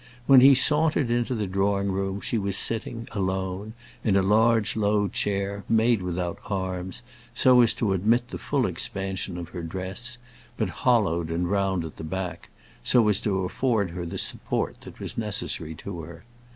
When he sauntered into the drawing room she was sitting, alone, in a large, low chair, made without arms, so as to admit the full expansion of her dress, but hollowed and round at the back, so as to afford her the support that was necessary to her.